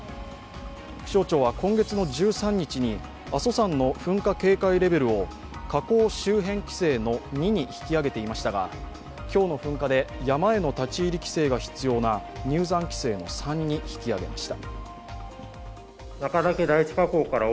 気象庁は今月１３日に阿蘇山の噴火警戒レベルを火口周辺規制の２に引き上げていましたが、今日の噴火で山への立ち入り規制が必要な入山規制の３に引き上げました。